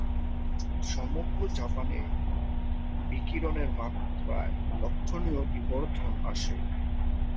সমগ্র জাপানে বিকিরণের মাত্রায় লক্ষ্যণীয় বিবর্ধন আসে।